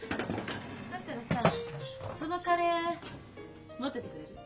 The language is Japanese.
だったらさそのカレー持ってってくれる？